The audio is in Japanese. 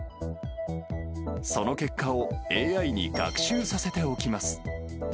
その結果をＡＩに学習させておきます。